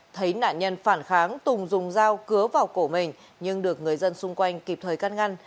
thấy nạn nhân phản kháng tùng dùng dao cứa vào cổ mình nhưng được người dân xung quanh kịp thời cắt ngăn